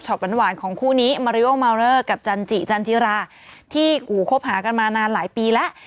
ชอบรั้นหวานของคู่นี้มาริโอมาเลอร์กับจานจิฬาจิาระที่กูคบหากลับมานานหลายปีแล้ว